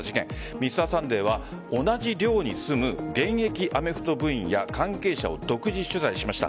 Ｍｒ．サンデーは、同じ寮に住む現役アメフト部員や関係者を独自取材しました。